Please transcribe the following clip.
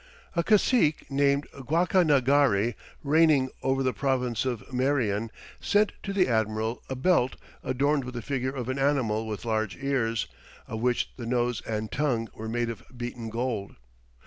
A cacique named Guacanagari, reigning over the province of Marien, sent to the admiral a belt adorned with the figure of an animal with large ears, of which the nose and tongue were made of beaten gold.